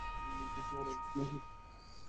এটা ওয়ারেন্ট নাকি?